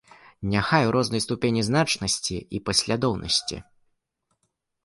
Няхай у рознай ступені значнасці і паслядоўнасці.